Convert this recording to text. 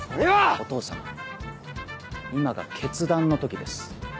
お父様今が決断の時です。